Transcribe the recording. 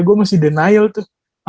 gue masih denial tuh